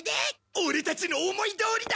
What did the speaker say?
オレたちの思いどおりだ！